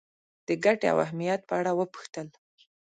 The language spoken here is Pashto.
د ګټې او اهمیت په اړه وپوښتل.